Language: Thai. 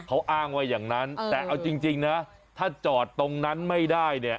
เขาอ้างว่าอย่างนั้นแต่เอาจริงนะถ้าจอดตรงนั้นไม่ได้เนี่ย